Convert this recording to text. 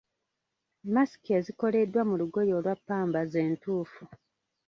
Masiki ezikoleddwa mu lugoye olwa ppamba z'entuufu.